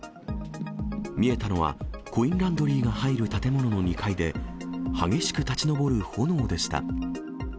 見えたのは、コインランドリーが入る建物の２階で、激しく立ち上る炎でした。